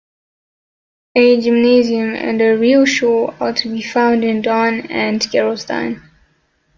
A Gymnasium and a Realschule are to be found in Daun and Gerolstein.